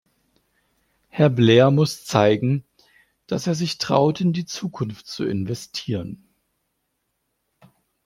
Herr Blair muss zeigen, dass er sich traut, in die Zukunft zu investieren.